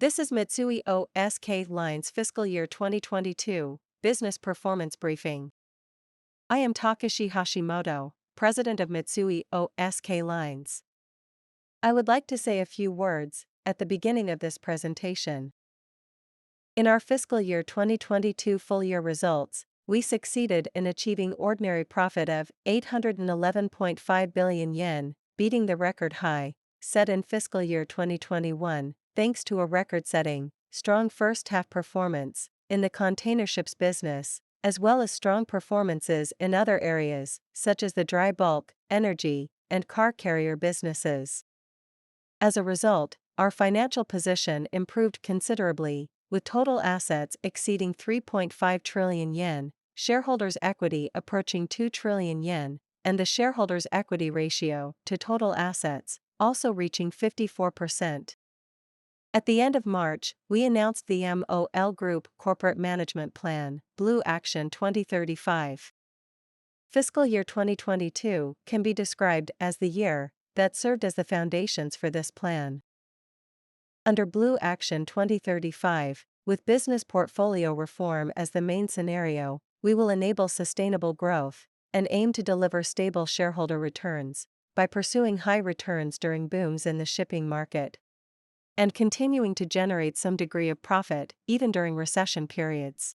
This is Mitsui O.S.K. Lines' fiscal year 2022 business performance briefing. I am Takeshi Hashimoto, president of Mitsui O.S.K. Lines. I would like to say a few words at the beginning of this presentation. In our fiscal year 2022 full year results, we succeeded in achieving ordinary profit of 811.5 billion yen, beating the record high set in fiscal year 2021 thanks to a record-setting strong first-half performance in the containerships business as well as strong performances in other areas such as the dry bulk, energy, and car carrier businesses. As a result, our financial position improved considerably with total assets exceeding 3.5 trillion yen, shareholders' equity approaching 2 trillion yen, and the shareholders' equity ratio to total assets also reaching 54%. At the end of March, we announced the MOL Group Corporate Management Plan, BLUE ACTION 2035. Fiscal year 2022 can be described as the year that served as the foundations for this plan. Under BLUE ACTION 2035, with business portfolio reform as the main scenario, we will enable sustainable growth and aim to deliver stable shareholder returns by pursuing high returns during booms in the shipping market and continuing to generate some degree of profit even during recession periods.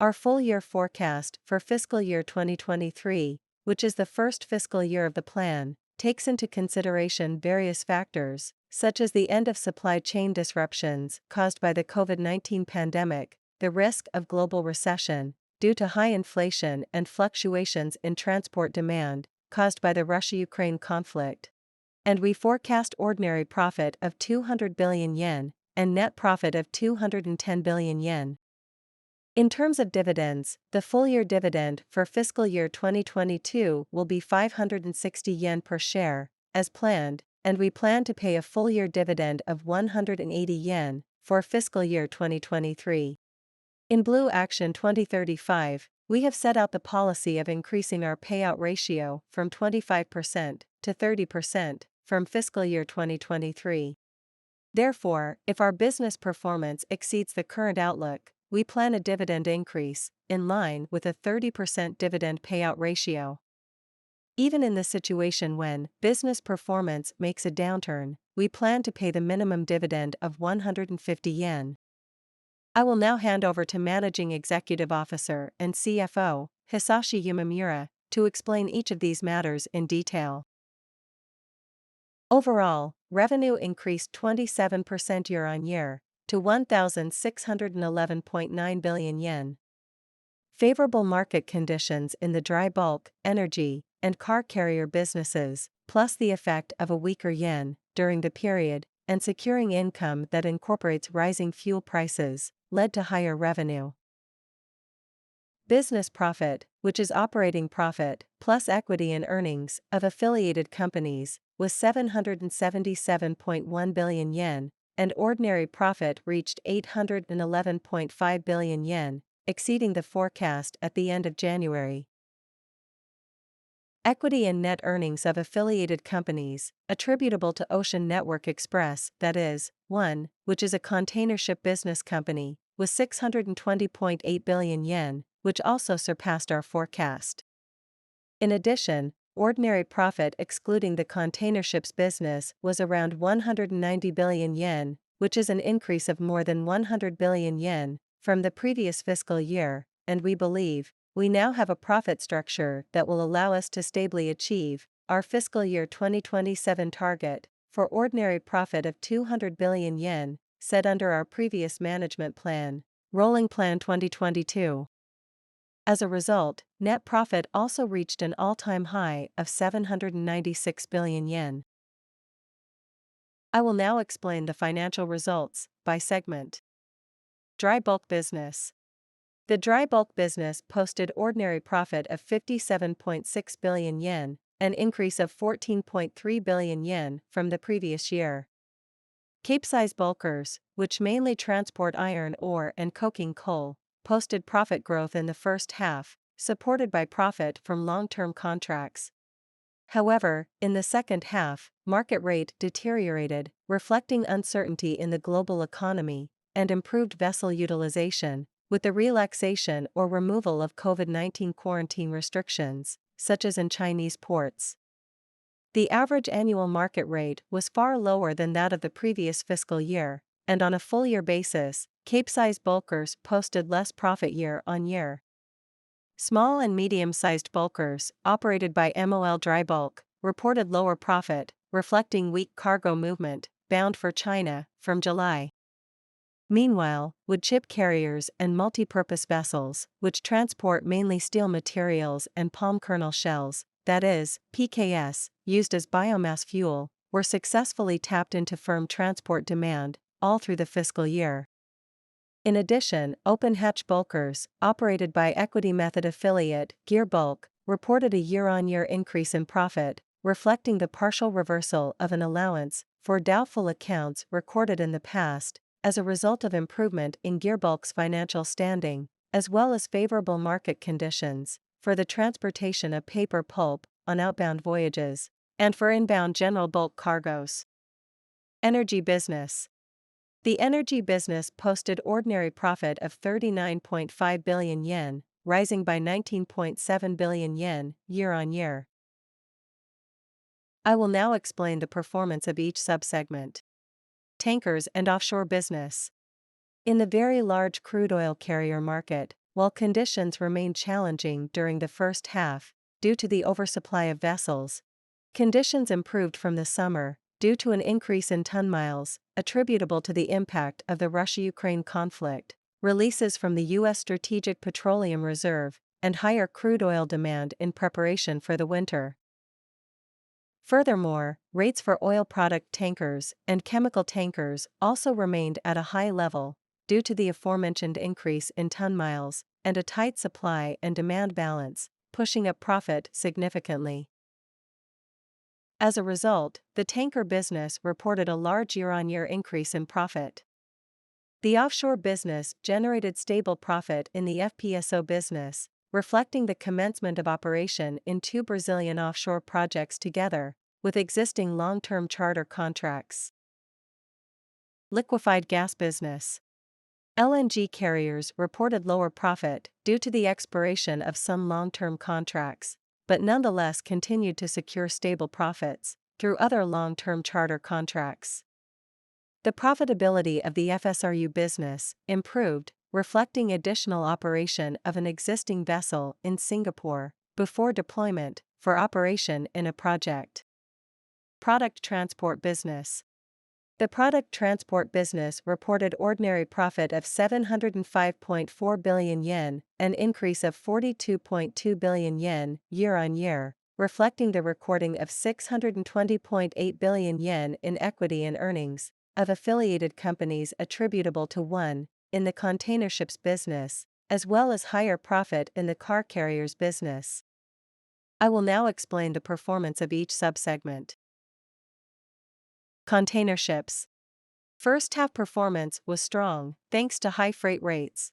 Our full-year forecast for fiscal year 2023, which is the first fiscal year of the plan, takes into consideration various factors such as the end of supply chain disruptions caused by the COVID-19 pandemic, the risk of global recession due to high inflation and fluctuations in transport demand caused by the Russia-Ukraine conflict, and we forecast ordinary profit of 200 billion yen and net profit of 210 billion yen. In terms of dividends, the full-year dividend for fiscal year 2022 will be 560 yen per share as planned, and we plan to pay a full-year dividend of 180 yen for fiscal year 2023. In BLUE ACTION 2035, we have set out the policy of increasing our payout ratio from 25% to 30% from fiscal year 2023. Therefore, if our business performance exceeds the current outlook, we plan a dividend increase in line with a 30% dividend payout ratio. Even in the situation when business performance makes a downturn, we plan to pay the minimum dividend of 150 yen. I will now hand over to Managing Executive Officer and CFO Hisashi Umemura to explain each of these matters in detail. Overall, revenue increased 27% year-on-year to 1,611.9 billion yen. Favorable market conditions in the dry bulk, energy, and car carrier businesses, plus the effect of a weaker yen during the period and securing income that incorporates rising fuel prices led to higher revenue. Business profit, which is operating profit plus equity in earnings of affiliated companies, was 777.1 billion yen, and ordinary profit reached 811.5 billion yen, exceeding the forecast at the end of January. Equity and net earnings of affiliated companies attributable to Ocean Network Express, that is, ONE which is a containership business company, was 620.8 billion yen which also surpassed our forecast. In addition, ordinary profit excluding the containerships business was around 190 billion yen, which is an increase of more than 100 billion yen from the previous fiscal year. We believe we now have a profit structure that will allow us to stably achieve our FY2027 target for ordinary profit of 200 billion yen set under our previous management plan, Rolling Plan 2022. Net profit also reached an all-time high of 796 billion yen. I will now explain the financial results by segment. The dry bulk business posted ordinary profit of 57.6 billion yen, an increase of 14.3 billion yen from the previous year. Capesize bulkers, which mainly transport iron ore and coking coal, posted profit growth in the first half, supported by profit from long-term contracts. In the second half, market rate deteriorated, reflecting uncertainty in the global economy and improved vessel utilization with the relaxation or removal of COVID-19 quarantine restrictions, such as in Chinese ports. The average annual market rate was far lower than that of the previous fiscal year, and on a full-year basis, Capesize bulkers posted less profit year-on-year. Small and medium-sized bulkers operated by MOL DryBulk reported lower profit, reflecting weak cargo movement bound for China from July. Wood chip carriers and multipurpose vessels, which transport mainly steel materials and palm kernel shells, that is PKS, used as biomass fuel, were successfully tapped into firm transport demand all through the fiscal year. Open hatch bulkers operated by equity method affiliate Gearbulk reported a year-on-year increase in profit, reflecting the partial reversal of an allowance for doubtful accounts recorded in the past as a result of improvement in Gearbulk's financial standing as well as favorable market conditions for the transportation of paper pulp on outbound voyages and for inbound general bulk cargoes. Energy business. The energy business posted ordinary profit of 39.5 billion yen, rising by 19.7 billion yen year-on-year. I will now explain the performance of each sub-segment. Tankers and offshore business. In the very large crude oil carrier market, while conditions remained challenging during the first half due to the oversupply of vessels, conditions improved from the summer due to an increase in ton-miles attributable to the impact of the Russia-Ukraine conflict, releases from the U.S. Strategic Petroleum Reserve, and higher crude oil demand in preparation for the winter. Furthermore, rates for oil product tankers and chemical tankers also remained at a high level due to the aforementioned increase in ton-miles and a tight supply and demand balance, pushing up profit significantly. As a result, the tanker business reported a large year-on-year increase in profit. The offshore business generated stable profit in the FPSO business, reflecting the commencement of operation in two Brazilian offshore projects together with existing long-term charter contracts. Liquefied gas business. LNG carriers reported lower profit due to the expiration of some long-term contracts, but nonetheless continued to secure stable profits through other long-term charter contracts. The profitability of the FSRU business improved, reflecting additional operation of an existing vessel in Singapore before deployment for operation in a project. Product transport business. The product transport business reported ordinary profit of ¥705.4 billion, an increase of ¥42.2 billion year-on-year, reflecting the recording of ¥620.8 billion in equity and earnings of affiliated companies attributable to ONE in the containerships business, as well as higher profit in the car carriers business. I will now explain the performance of each sub-segment. Containerships. First half performance was strong, thanks to high freight rates.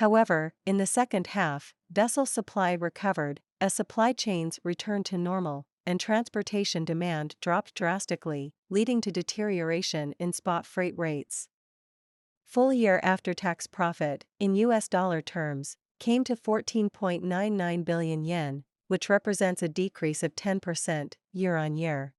In the second half, vessel supply recovered as supply chains returned to normal and transportation demand dropped drastically, leading to deterioration in spot freight rates. Full year after-tax profit in US dollar terms came to 14.99 billion yen, which represents a decrease of 10% year-on-year.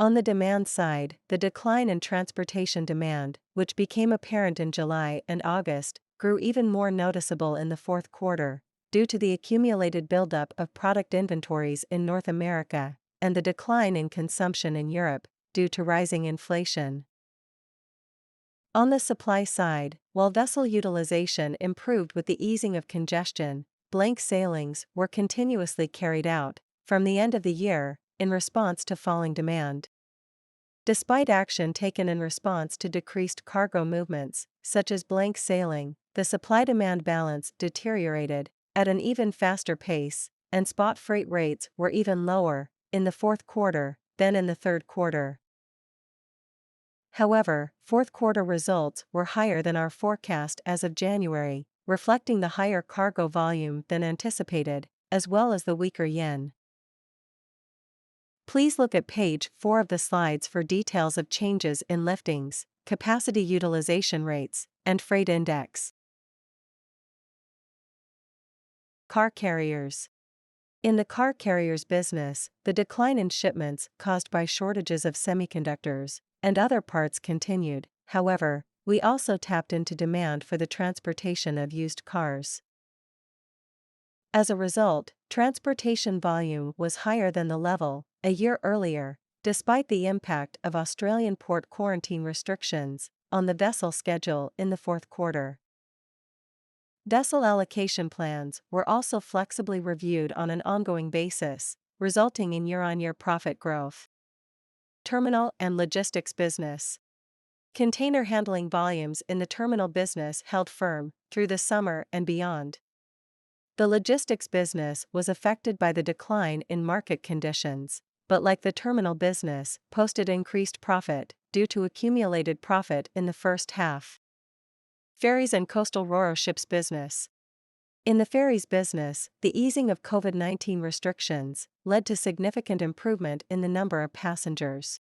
On the demand side, the decline in transportation demand, which became apparent in July and August, grew even more noticeable in the fourth quarter due to the accumulated buildup of product inventories in North America and the decline in consumption in Europe due to rising inflation. On the supply side, while vessel utilization improved with the easing of congestion, blank sailings were continuously carried out from the end of the year in response to falling demand. Despite action taken in response to decreased cargo movements, such as blank sailing, the supply-demand balance deteriorated at an even faster pace, and spot freight rates were even lower in the fourth quarter than in the third quarter. Fourth quarter results were higher than our forecast as of January, reflecting the higher cargo volume than anticipated, as well as the weaker yen. Please look at page 4 of the slides for details of changes in liftings, capacity utilization rates, and freight index. Car carriers. In the car carriers business, the decline in shipments caused by shortages of semiconductors and other parts continued. We also tapped into demand for the transportation of used cars. As a result, transportation volume was higher than the level a year earlier, despite the impact of Australian port quarantine restrictions on the vessel schedule in the fourth quarter. Vessel allocation plans were also flexibly reviewed on an ongoing basis, resulting in year-on-year profit growth. Terminal and logistics business. Container handling volumes in the terminal business held firm through the summer and beyond. The logistics business was affected by the decline in market conditions, but like the terminal business, posted increased profit due to accumulated profit in the first half. Ferries and coastal ro-ro ships business. In the ferries business, the easing of COVID-19 restrictions led to significant improvement in the number of passengers.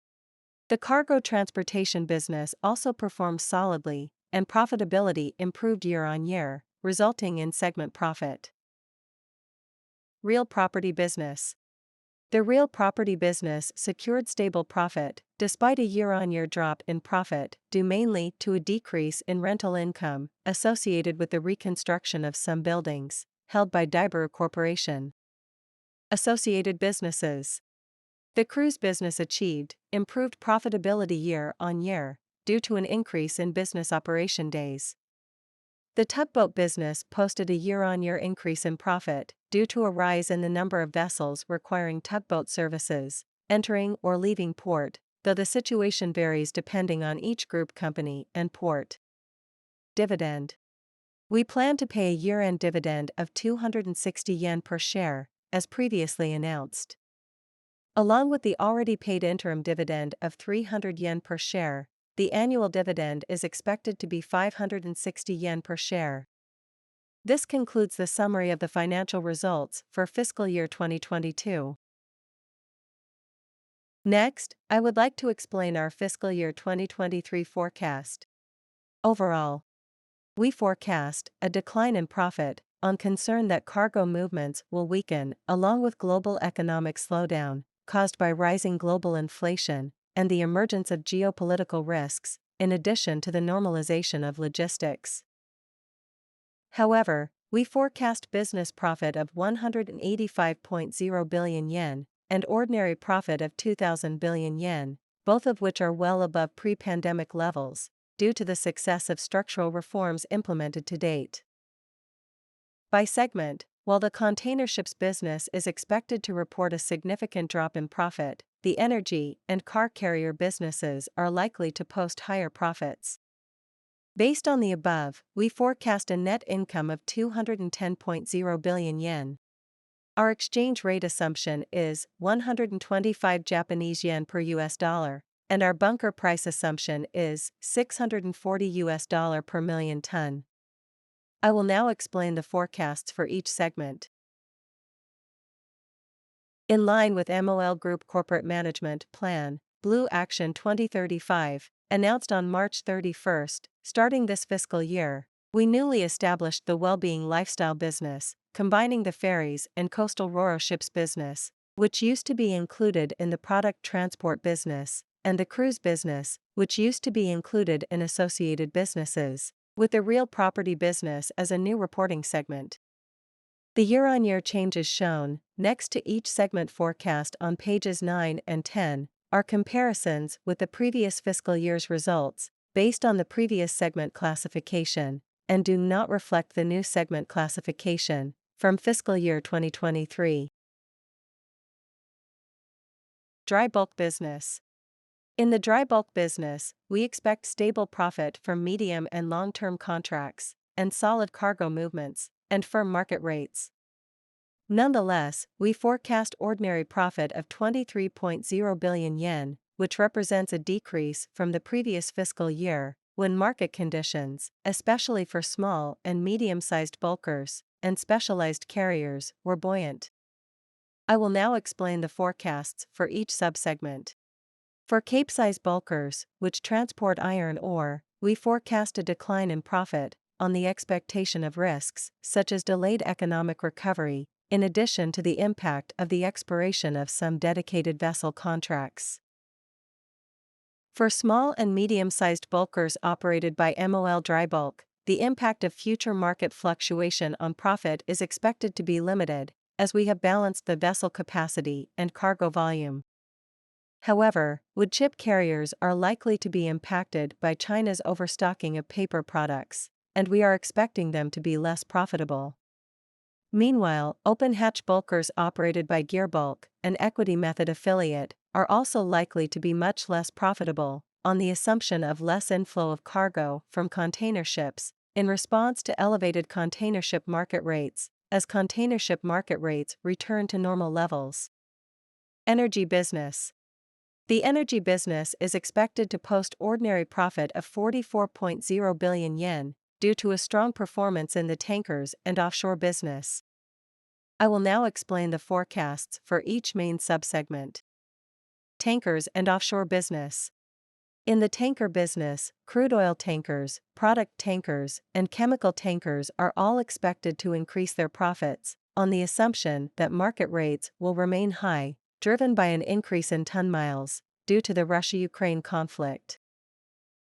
The cargo transportation business also performed solidly, and profitability improved year-over-year, resulting in segment profit. Real property business. The real property business secured stable profit despite a year-on-year drop in profit, due mainly to a decrease in rental income associated with the reconstruction of some buildings held by Daibiru Corporation. Associated businesses. The cruise business achieved improved profitability year-over-year due to an increase in business operation days. The tugboat business posted a year-on-year increase in profit due to a rise in the number of vessels requiring tugboat services entering or leaving port, though the situation varies depending on each group company and port. Dividend. We plan to pay a year-end dividend of 260 yen per share, as previously announced. Along with the already paid interim dividend of 300 yen per share, the annual dividend is expected to be 560 yen per share. This concludes the summary of the financial results for fiscal year 2022. Next, I would like to explain our fiscal year 2023 forecast. Overall, we forecast a decline in profit on concern that cargo movements will weaken along with global economic slowdown caused by rising global inflation and the emergence of geopolitical risks in addition to the normalization of logistics. However, we forecast business profit of 185.0 billion yen and ordinary profit of 2,000 billion yen, both of which are well above pre-pandemic levels due to the success of structural reforms implemented to date. By segment, while the containerships business is expected to report a significant drop in profit, the energy and car carrier businesses are likely to post higher profits. Based on the above, we forecast a net income of 210.0 billion yen. Our exchange rate assumption is 125 Japanese yen per US dollar, and our bunker price assumption is $640 per million tons. I will now explain the forecasts for each segment. In line with MOL Group Corporate Management Plan, BLUE ACTION 2035, announced on March 31st, starting this fiscal year, we newly established the Wellbeing Lifestyle business, combining the Ferries and Coastal Ro-Ro Ships Business, which used to be included in the Product Transport Business, and the Cruise Business, which used to be included in Associated Businesses with the Real Property Business as a new reporting segment. The year-on-year changes shown next to each segment forecast on pages 9 and 10 are comparisons with the previous fiscal year's results based on the previous segment classification and do not reflect the new segment classification from fiscal year 2023. Dry Bulk Business. In the Dry Bulk Business, we expect stable profit for medium and long-term contracts and solid cargo movements and firm market rates. Nonetheless, we forecast ordinary profit of 23.0 billion yen, which represents a decrease from the previous fiscal year when market conditions, especially for small and medium-sized bulkers and specialized carriers, were buoyant. I will now explain the forecasts for each sub-segment. For Capesize bulkers, which transport iron ore, we forecast a decline in profit on the expectation of risks such as delayed economic recovery in addition to the impact of the expiration of some dedicated vessel contracts. For small and medium-sized bulkers operated by MOL Drybulk, the impact of future market fluctuation on profit is expected to be limited as we have balanced the vessel capacity and cargo volume. However, wood chip carriers are likely to be impacted by China's overstocking of paper products, and we are expecting them to be less profitable. Meanwhile, open-hatch bulkers operated by Gearbulk, an equity method affiliate, are also likely to be much less profitable on the assumption of less inflow of cargo from containerships in response to elevated containership market rates as containership market rates return to normal levels. Energy business. The energy business is expected to post ordinary profit of 44.0 billion yen due to a strong performance in the tankers and offshore business. I will now explain the forecasts for each main sub-segment. Tankers and offshore business. In the tanker business, crude oil tankers, product tankers, and chemical tankers are all expected to increase their profits on the assumption that market rates will remain high, driven by an increase in ton-miles due to the Russia-Ukraine conflict.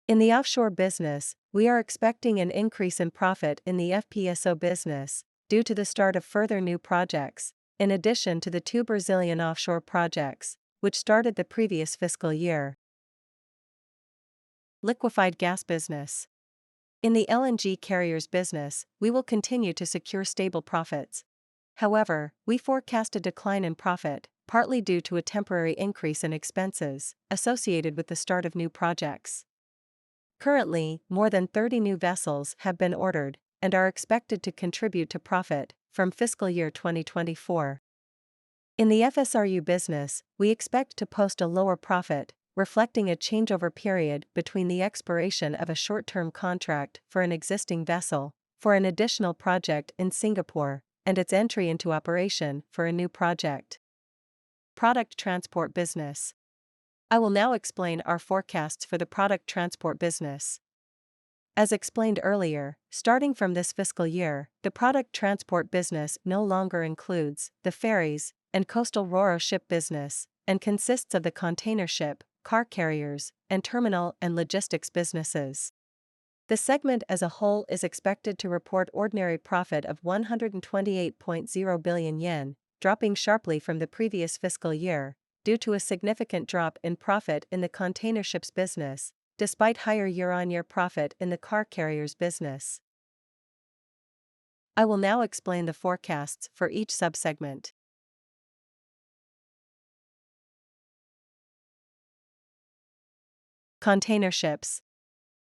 In the offshore business, we are expecting an increase in profit in the FPSO business due to the start of further new projects in addition to the 2 Brazilian offshore projects which started the previous fiscal year. Liquefied gas business. In the LNG carriers business, we will continue to secure stable profits. We forecast a decline in profit partly due to a temporary increase in expenses associated with the start of new projects. Currently, more than 30 new vessels have been ordered and are expected to contribute to profit from fiscal year 2024. In the FSRU business, we expect to post a lower profit, reflecting a changeover period between the expiration of a short-term contract for an existing vessel for an additional project in Singapore and its entry into operation for a new project. Product transport business. I will now explain our forecasts for the product transport business. As explained earlier, starting from this fiscal year, the product transport business no longer includes the ferries and coastal ro-ro ship business and consists of the containership, car carriers, and terminal and logistics businesses. The segment as a whole is expected to report ordinary profit of 128.0 billion yen, dropping sharply from the previous fiscal year due to a significant drop in profit in the containerships business despite higher year-on-year profit in the car carriers business. I will now explain the forecasts for each sub-segment. Containerships.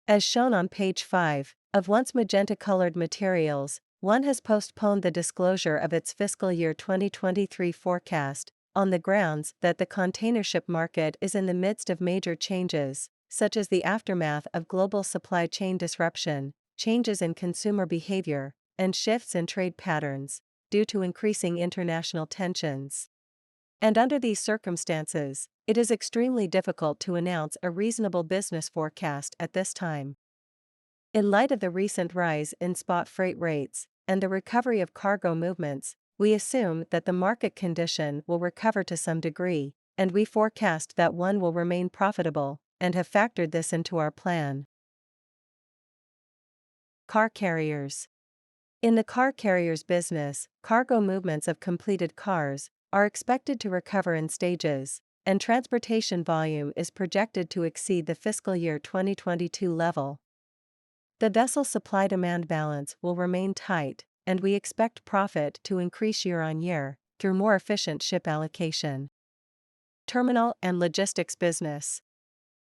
As shown on page 5 of ONE's magenta-colored materials, ONE has postponed the disclosure of its fiscal year 2023 forecast on the grounds that the containership market is in the midst of major changes, such as the aftermath of global supply chain disruption, changes in consumer behavior, and shifts in trade patterns due to increasing international tensions. Under these circumstances, it is extremely difficult to announce a reasonable business forecast at this time. In light of the recent rise in spot freight rates and the recovery of cargo movements, we assume that the market condition will recover to some degree, and we forecast that ONE will remain profitable and have factored this into our plan. Car carriers. In the car carriers business, cargo movements of completed cars are expected to recover in stages, and transportation volume is projected to exceed the fiscal year 2022 level. The vessel supply-demand balance will remain tight, and we expect profit to increase year-on-year through more efficient ship allocation. Terminal and logistics business.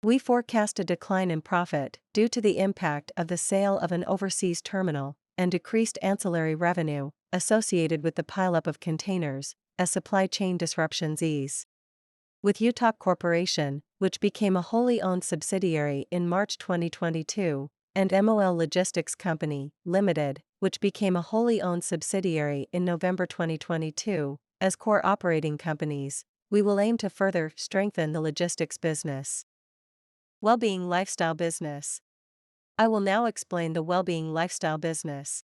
We forecast a decline in profit due to the impact of the sale of an overseas terminal and decreased ancillary revenue associated with the pileup of containers as supply chain disruptions ease. With Utoc Corporation, which became a wholly owned subsidiary in March 2022, and MOL Logistics Co., Ltd., which became a wholly owned subsidiary in November 2022 as core operating companies, we will aim to further strengthen the logistics business. Wellbeing lifestyle business. I will now explain the Wellbeing Lifestyle business.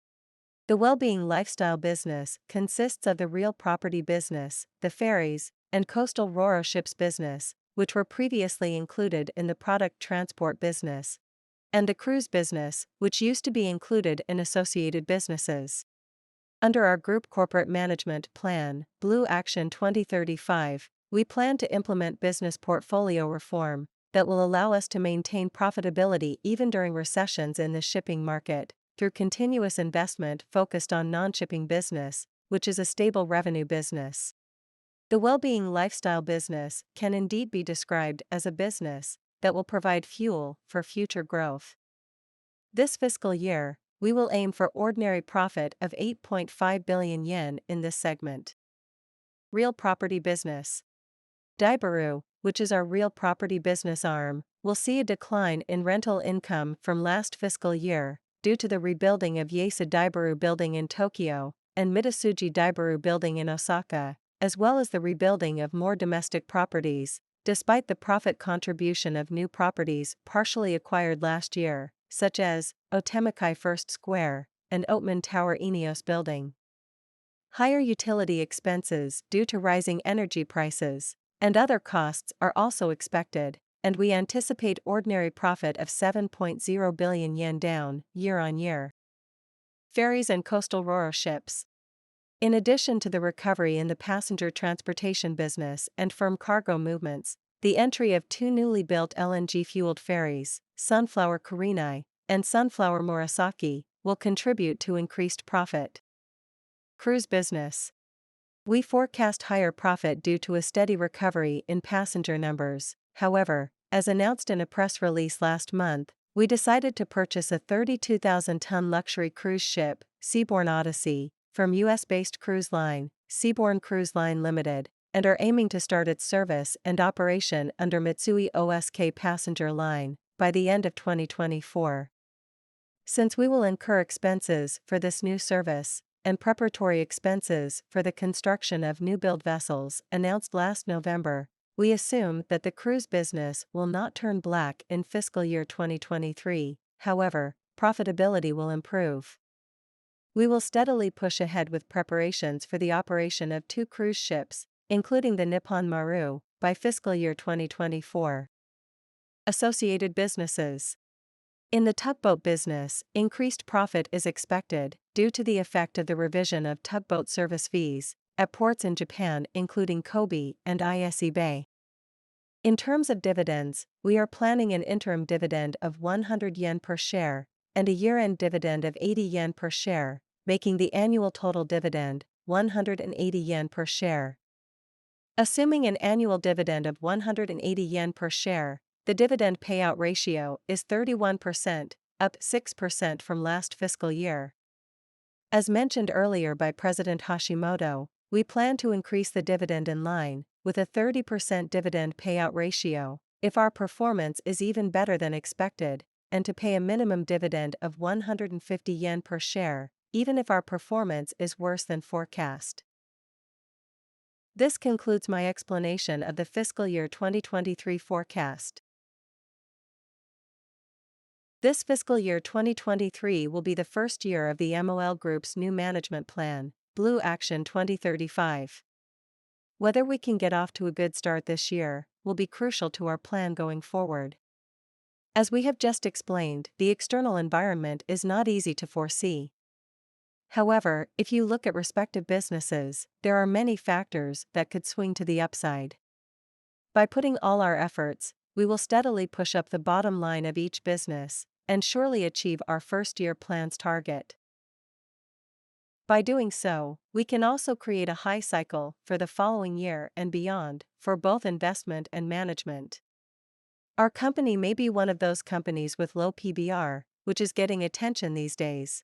The Wellbeing Lifestyle business consists of the real property business, the ferries, and coastal ro-ro ships business, which were previously included in the product transport business, and the cruise business, which used to be included in associated businesses. Under our group corporate management plan, BLUE ACTION 2035, we plan to implement business portfolio reform that will allow us to maintain profitability even during recessions in the shipping market through continuous investment focused on non-shipping business, which is a stable revenue business. The Wellbeing Lifestyle business can indeed be described as a business that will provide fuel for future growth. This fiscal year, we will aim for ordinary profit of 8.5 billion yen in this segment. Real property business. Daibiru, which is our real property business arm, will see a decline in rental income from last fiscal year due to the rebuilding of Yaesu Daibiru Building in Tokyo and Midosuji Daibiru Building in Osaka, as well as the rebuilding of more domestic properties despite the profit contribution of new properties partially acquired last year, such as Otemachi First Square and Otemon Tower/ENEOS Building. Higher utility expenses due to rising energy prices and other costs are also expected. We anticipate ordinary profit of 7.0 billion yen down year-on-year. Ferries and coastal ro-ro ships. In addition to the recovery in the passenger transportation business and firm cargo movements, the entry of two newly built LNG-fueled ferries, Sunflower Kurenai and Sunflower Murasaki, will contribute to increased profit. Cruise business. We forecast higher profit due to a steady recovery in passenger numbers. As announced in a press release last month, we decided to purchase a 32,000-ton luxury cruise ship, Seabourn Odyssey, from US-based cruise line, Seabourn Cruise Line Limited, and are aiming to start its service and operation under Mitsui OSK Passenger Line by the end of 2024. Since we will incur expenses for this new service and preparatory expenses for the construction of new-build vessels announced last November, we assume that the cruise business will not turn black in fiscal year 2023. However, profitability will improve. We will steadily push ahead with preparations for the operation of 2 cruise ships, including the Nippon Maru by fiscal year 2024. Associated businesses. In the tugboat business, increased profit is expected due to the effect of the revision of tugboat service fees at ports in Japan, including Kobe and Ise Bay. In terms of dividends, we are planning an interim dividend of 100 yen per share and a year-end dividend of 80 yen per share, making the annual total dividend 180 yen per share. Assuming an annual dividend of 180 yen per share, the dividend payout ratio is 31%, up 6% from last fiscal year. As mentioned earlier by President Hashimoto, we plan to increase the dividend in line with a 30% dividend payout ratio if our performance is even better than expected and to pay a minimum dividend of 150 yen per share even if our performance is worse than forecast. This concludes my explanation of the fiscal year 2023 forecast. This fiscal year 2023 will be the first year of the MOL Group's new management plan, BLUE ACTION 2035. Whether we can get off to a good start this year will be crucial to our plan going forward. As we have just explained, the external environment is not easy to foresee. If you look at respective businesses, there are many factors that could swing to the upside. By putting all our efforts, we will steadily push up the bottom line of each business and surely achieve our first-year plan's target. By doing so, we can also create a high cycle for the following year and beyond for both investment and management. Our company may be one of those companies with low PBR, which is getting attention these days.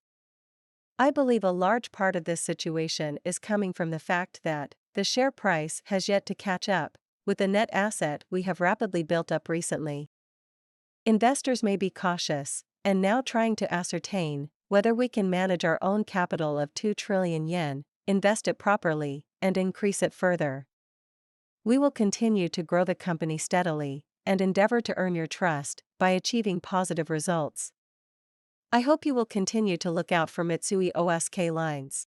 I believe a large part of this situation is coming from the fact that the share price has yet to catch up with the net asset we have rapidly built up recently. Investors may be cautious and now trying to ascertain whether we can manage our own capital of 2 trillion yen, invest it properly, and increase it further. We will continue to grow the company steadily and endeavor to earn your trust by achieving positive results. I hope you will continue to look out for Mitsui O.S.K. Lines.